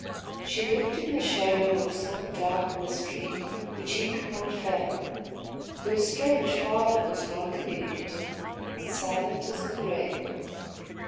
She lived in the shadow of some dark mystery, which he could not fathom. Her strange father was non communicative and silent as the grave.